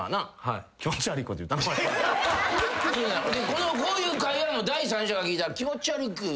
このこういう会話も第三者が聞いたら気持ち悪く思われるから。